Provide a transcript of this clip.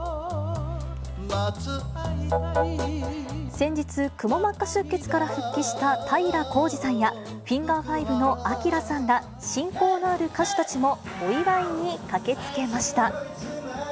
先日、くも膜下出血から復帰した平浩二さんやフィンガー５の晃さんら、親交のある歌手たちもお祝いに駆けつけました。